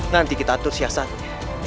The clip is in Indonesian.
nanti kita atur siasatnya